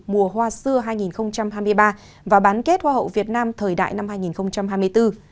mùa hoa xưa hai nghìn hai mươi ba và bán kết hoa hậu việt nam thời đại năm hai nghìn hai mươi bốn